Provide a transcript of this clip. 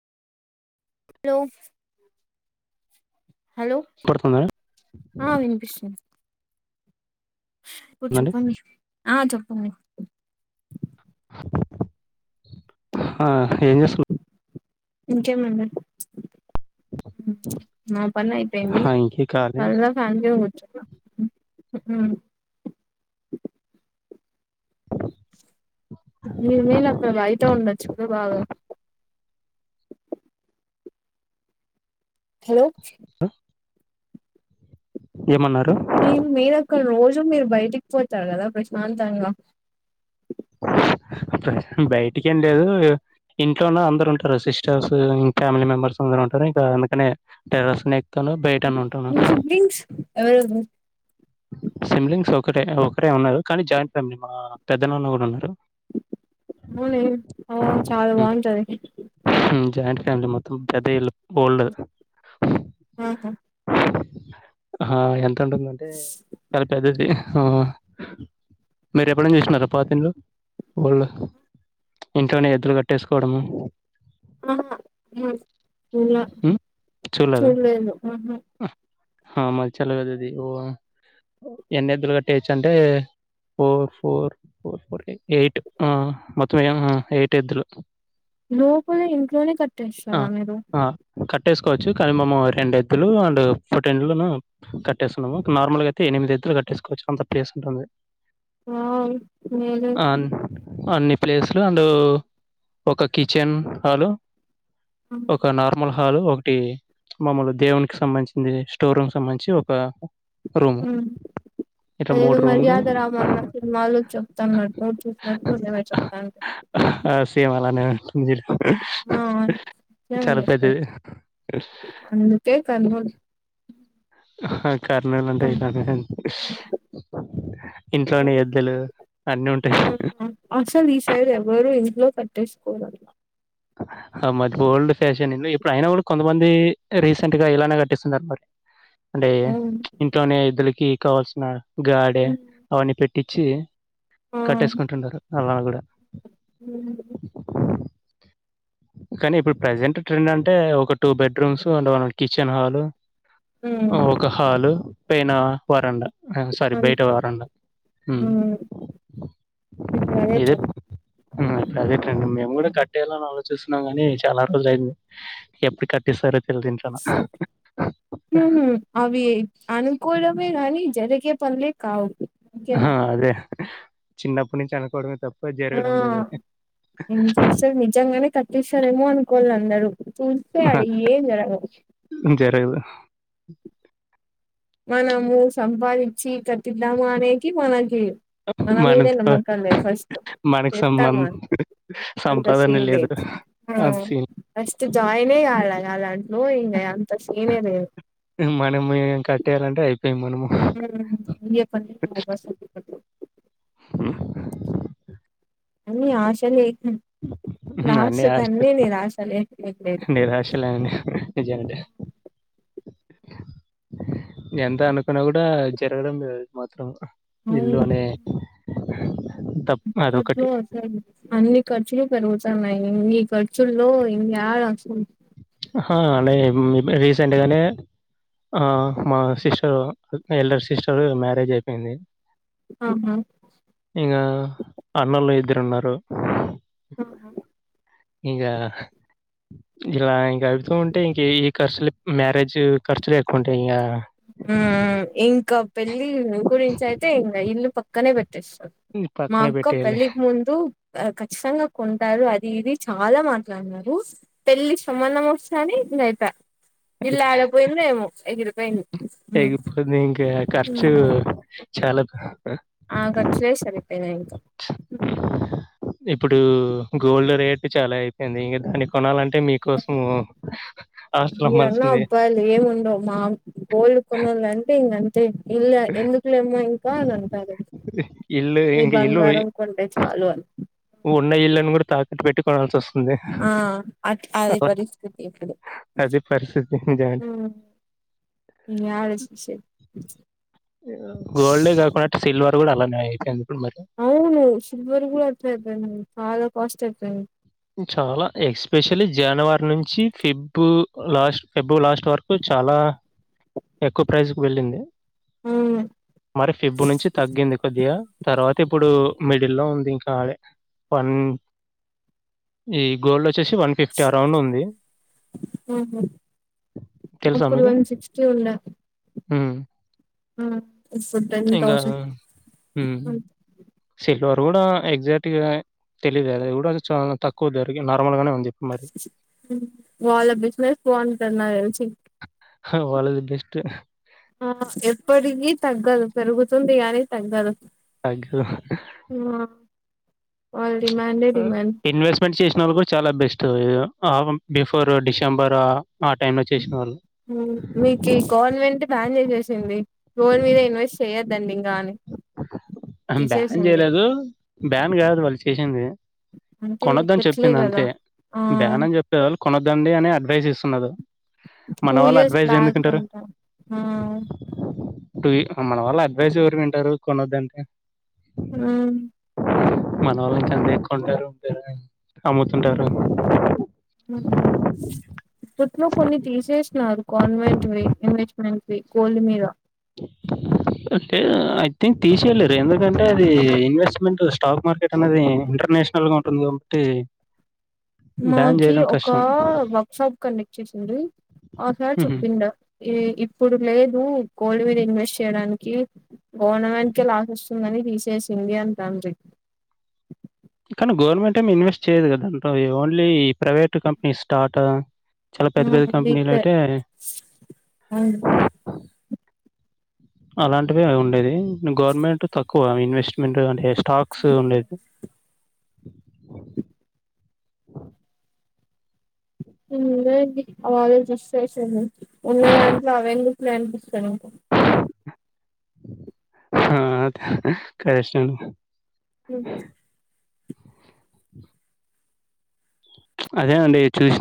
Hello hello కొడుతుంద ఆ వినిపిస్తుంది ఇప్పుడు అండి చెప్పండి ఆ చెప్పండి హ ఎంచేస్తున్నా ఇంకేం అన్నా హుమ్ నా పనులు ఐపోయింది ఇంకే కాలే మళ్ళా పనిచేయవచ్చు హు హుమ్మ్ మేమే అక్కడ బయట ఉండొచ్చు కూడా బాగా హలో ఆ ఏమన్నారు మీ మీరక్కడ రోజు మీరు బయటికి పోతారు కదా ప్రశాంతంగా బయటికి ఏం లేదు ఇంట్లోన్న అందరు ఉంటారు సిస్టర్స్ ఇంకా ఫ్యామిలీ మెంబర్స్ అందరు ఉంటారు ఇంకా అందుకనే టెరస్ న తను బయటను ఉంటాను మీ సిబ్లింగ్స్ ఎవరెవరు సిమ్లింగ్స్ ఒకటే ఒకరే ఉన్నారు కానీ జాయింట్ ఫ్యామిలీ మా పెద్ద నాన్న వా అంతే అవులే ఓ చాలా బాగుంటది జాయింట్ ఫ్యామిలీ మొత్తం పది ఏళ్ళు ఓల్డ్ ఆహా ఆ ఎంత ఉంటుందంటే చాలా పెద్దది హ మీరు ఎప్పుడనా చూసినారా పాత ఇన్లు కోళ్ళు ఇంట్లోనే ఎద్దులు కట్టేసుకోవడము ఆహా ఇంకా ఉమ్, చూడలేదా చూడలేదు ఆహా ఆ మచ లేదు ఇది ఓ ఎన్ని ఎద్దులు కట్టెయ్యచ్చంటే ఫోర్ ఫోర్ ఫోర్ ఎయిట్ ఆ మొత్తం ఆ ఎయిట్ ఎద్లు లోపల ఇంట్లోనే ఆ కట్టేస్తారా మీరు ఆ కట్టేసుకోవచ్చు కానీ మము రెండు ఎద్దులు అండ్ పోటెండ్లను కట్టేస్తున్నాము నార్మల్ గా అయితే ఎనిమిది ఎద్దులు కట్టేసుకోవచ్చు అంత ప్లేస్ ఉంటుంది వావ్ మేలే అ అన్ని ప్లేసులు అండ్ ఒక కిచెన్ హలు ఒక నార్మల్ హాలు ఒకటి మా అమ్మోళ్లు దేవునికిి సంబంధించింది స్టోర్ రూమ్ సంబంధించి ఒక రూము హమ్ ఇట్లా అదేదో మూడు రూమ్లు మర్యాద రామన్న సినిమాలో చెప్తున్నట్టు చెప్పు [unintelligible] చెప్తాండు ఆ సిమాలనే అంతేలే ఆ అట్లే సర్పొద్దా చాలా పెద్దది అంతే కనబడు ఆహా కారణలుంట ఇత ఇస్ ఇంట్లోనే ఎద్దులు అన్నిీ ఉంటాయి అసలు ఈ సైడ్ ఎవరు ఇంట్లో కట్టేస్కోరు మరి ఓల్డ్ ఫ్యాషన్ ఇప్పుడు అయినా కూడా కొంతమంది రీసెంట్ గా ఇలానే కట్టిస్తున్నారు మరి [inaudible] అంటే ఆ ఇంట్లోనే ఎద్దులకీ కావాల్సిన గాడే ఉమ్ అవన్నీ పెట్టించి కట్టేసుకుంటున్నారు అలా కూడా [inaudible] [inaudible] కానీ ఇప్పుడు ప్రజెంట్ ట్రెండ్ అంటే ఒక two bedrooms and kitchen hall ఒక హాలు పైన వరన్డా ఆ సారీ బయట అంతే వరండా ఉమ్ ఇప్పుడు అదే ఇదే ఇప్పుడు అదే ట్రెండ్ మేము కూడా కట్టియాలని ఆలోచిస్తున్నాం కానీ చాలా రోజులు అయింది ఎప్పుడు కట్టిసారు తేలదు ఇంట్లోన ఊ అవి అనుకోవడమే కానీ జరిగే పనులే కావు ఆ ఇంకెంత అదే చిన్నప్పటి నుంచి అనుకోవడమే తప్ప ఆ జరగడం లేదు అది ఇంకా అసలు నిజంగనే కట్ కట్టిసారేమో అనుకోల అందరు చూస్తే అడ ఏం జరగవు జరగదు మనము సంపాదించి కట్టిద్దాము అనేకి మనకి మన మీదే నమ్మకాల్ లేవ్ ఫస్ట్ మనకి సంబంధ చేత్తమా అంత సీన్ లేదు ఆ అది సీన్ ఫస్ట్ జాయిన్ కాళ అలాంట ఇంక అంత సీన్ లేదు మనం ఏం కట్టేయాలంటే అయిపోయిం మనము [inaudible] అన్ని ఆశ లేక లాస్ట్ కన్నీ నిరాశలే మిగిలేది నిరాశలేండి [unintelligible] ఎంత అనుకున్నా కూడా జరగడం లేదు మాత్రం ఇల్లు అనే తప్ప అదొకటి ఉమ్ అన్ని ఖర్చులు పెరుగుతున్నాయి ఇన్ని ఖర్చుల్లో ఇంగయాడ అహా లేదు రీసెంట్గానే ఆ మా సిస్టర్ ఎల్డర్ సిస్టర్ మ్యారేజ్ అయిపోయింది అవునా ఇగా అన్నలు ఇద్దరు ఉన్నారు ఆహా ఇగా ఇలా ఇంకా అయితూ ఉంటే ఇంక ఈ ఖర్చులు మ్యారేజ్ ఖర్చులు ఎక్కువ ఉంటాయి ఇంకా ఇంకా పెళ్ళి గురించి అయితే ఇంకా ఇల్లు పక్కనే పెట్టేస్తారు మా పక్కన అక్క పెట్టేయాలి. పెళ్ళికి ముందు ఆ ఖచ్చితంగా కొంటారు అది ఇది చాలా మాట్లాడినారు పెళ్లిి సంబంధం వస్తాని ఇళ్లా ఆడపోయిందేమో ఎగిరిపోయింది హ్మ్ ఎగిరిపోంది ఇంకా ఖర్చు హ్మ్. చాలా ఆ ఖర్చులు సరిపోయినాయి ఇంకా ఇప్పుడు గోల్డ్ రేట్ చాలా అయిపోయింది ఇంక దాన్ని కొనాలంటే మీకు కోసము ఆస్తులు ఇవన్న అమ్మాల్సిందే అబ్బాయిలు ఏముండవు మా గోల్డ్ కొనాల అంటే ఇంకాంతే తే ఇల్లా ఎందుకులేమ్మ ఇంకా అని అంటారు ఇల్లు ఈ ఇంక ఇల్లు బంగారం ఉంటే చాలు అనీ ఉన్న ఇళ్ళని కూడా తాకట్టు పెట్టి కొనాల్సి వస్తుంది ఆ అట్ అది అట్లా పరిస్థితి ఇప్పుడు. అదే పరిస్థితి నిజాలు యడ శషే గోల్డ్ యే కాకుండా సిల్వర్ కూడా అలానే అవుతుంది ఇప్పుడు మరి అవును సిల్వర్ కూడా అట్లే అయిపోయింది చాలా కాస్ట్ అయిపోయింది చాలా ఎక్స్పెషలీ జనవరి నుంచి ఫిబు లాస్ట్ ఫిబు లాస్ట్ వరకు చాలా ఎక్కువ ప్రైస్కు వెళ్ళింది అవును మరి ఫిబు నుంచి తగ్గింది కొద్దిగా తర్వాత ఇప్పుడు మిడిల్ లో ఉంది ఇంకా అదే వన్ ఈ గోల్డ్ వచ్చేసి వన్ ఫిఫ్టీ అరౌండ్ ఉంది ఇప్పుడు వన్ సిక్స్టీ ఉందా హ ఇప్పుడు టెన్ ఇంకా థౌసండ్ హమ్ సిల్వర్ కూడా ఎగ్జాక్ట్గా తెలీయదు అది కూడా ఆది చాలా తక్కువ దరకి నార్మల్ గానే ఉందిప్పుడు మరి వాళ్ళ బిజినెస్ బాగుంటుంది నాకు తెలిసి వాళది బెస్ట్ ఆ ఎప్పటికిీ తగ్గదు పెరుగుతుంది కానీ తగ్గదు తగ్గదు ఆ వాళ్ళ డిమాండే డిమాండ్ ఇన్వెస్ట్ ఇన్వెస్ట్ చేసిన వాళ్ళు కూడా చాలా బెస్ట్ ఆ బిఫోర్ డిసెంబర్ ఆ టైమ్ లో చేసిన వాళ్ళు మీకు ఈ గవర్నమెంట్ బ్యాన్ చేసేసింది గోల్డ్ మీద ఇన్వెస్ట్ చేయొద్దండి ఇంకా అని బ్యాన్ తీసేసింది చేయలేదు బ్యాన్ కాదు వాళ్ళు చేసింది అంటే కొనొద్దని పెట్టలే చెప్పింది అంతే కదా ఆ బ్యానని చెప్పేలేవాళ్ళు కొనొద్దండి అని అడ్వైస్ ఇస్తున్నరూ మన టూ వాళ్ళు ఇయర్స్ అడ్వైజ్ బ్యాక్ ఎందుకింటారు అంట ఆ మన వాళ్ళ అడ్వైస్ ఎవరు వింటారు కొనద్దంటే హ మన వాళ్ళ కొంటె కొంటారు లేదనంటే అమ్ముతుంటారు ఉహు అపట్లో కొన్ని తీసేసినారు కాన్వెంట్ వి ఇన్వెస్ట్మెంట్ వి గోల్డ్ మీద అంటే ఐ థింక్ తీసేయలేరు ఎందుకంటే అది ఇన్వెస్ట్మెంట్ స్టాక్ మార్కెట్ అనేది ఇంటర్నేషనల్ నల్ గా ఉంటుంది కాబట్టి బ్యాన్ మాకి జేయడం ఒక కష్టం. వర్క్ షాప్ కండక్ట్ చేసింది ఆసార్ హుహు. చెప్పిండే ఈ గిప్పుడు లేదు గోల్డ్ మీద ఇన్వెస్ట్ చేయడానికి గవర్నమెంట్ కే లాస్ వస్తుందని తీసేసింది అంతండ్రి కానీ గవర్నమెంట్ ఏమి ఇన్వెస్ట్ చేయదు కదాంట ఓన్లీ ప్రైవేట్ కంపెనీ స్టార్ట్ చాలా పెద్ద పెద్ద కంపెనీలు అంటే అలాంటివి ఉండేది గవర్నమెంట్ తక్కువ ఇన్వెస్ట్మెంట్ అంటే స్టాక్స్ ఉండేది హ ఆ [unintelligible] ఉన్న దాంట్లో ఆవెన్దుకులె అనిపిస్తయ్ నాకు ఆ కష్టమ్ ఇ అదేఅండి చూస్